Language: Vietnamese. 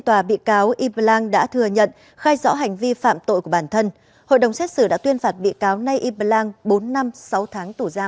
tòa bị cáo y blang đã thừa nhận khai rõ hành vi phạm tội của bản thân hội đồng xét xử đã tuyên phạt bị cáo nay y bờ lang bốn năm sáu tháng tù giam